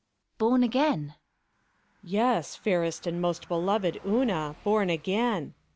_ "Born again?" _ Monos._ Yes, fairest and best beloved Una, "born again."